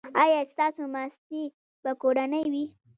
ایا ستاسو ماستې به کورنۍ وي؟